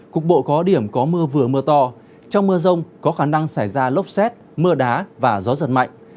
cục bộ có điểm có mưa vừa mưa to trong mưa rông có khả năng xảy ra lốc xét mưa đá và gió giật mạnh